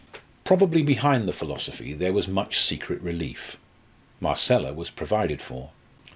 Probably behind the philosophy there was much secret relief. Marcella was provided for.